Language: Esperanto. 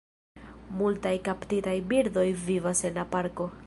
Multaj kaptitaj birdoj vivas en la parko.